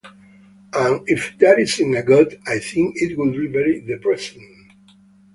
And if there isn't a God, I think it would be very depressing.